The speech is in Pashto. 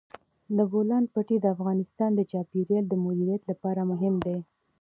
د بولان پټي د افغانستان د چاپیریال د مدیریت لپاره مهم دي.